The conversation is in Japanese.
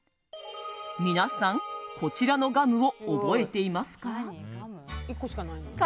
皆さん、こちらのガムを覚えていますか？